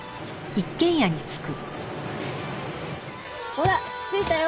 「」ほら着いたよ